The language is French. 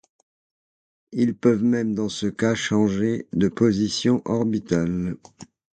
Ils peuvent même, dans ce cas, changer de position orbitale.